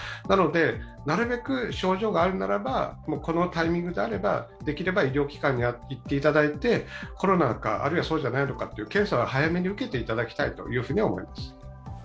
なので、なるべく症状があるならばこのタイミングであれば、できれば医療機関に行っていただいて、コロナか、あるいはそうじゃないのか検査は早めに受けていただきたいと思います。